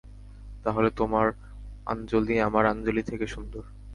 তাহলে তোমার আঞ্জলি আমার আঞ্জলি থেকে সুন্দর।